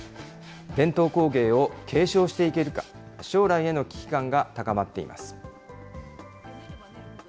伝統工芸を継承していけるか、将来への危機感が高まっています。